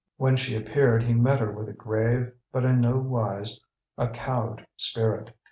When she appeared, he met her with a grave, but in no wise a cowed, spirit.